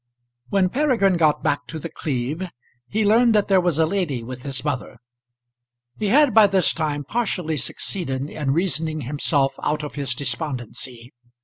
When Peregrine got back to The Cleeve he learned that there was a lady with his mother. He had by this time partially succeeded in reasoning himself out of his despondency.